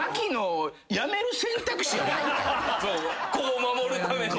子を守るために。